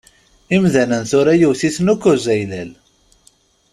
Imdanen tura yewt-iten akk uzaylal.